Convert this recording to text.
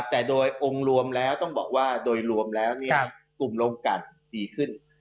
แต่โดยรวมแล้วกลุ่มโรงกันดีขึ้น